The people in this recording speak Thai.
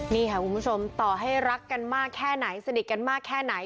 นี่ค่ะคุณผู้ชมต่อให้รักกันมากแค่ไหน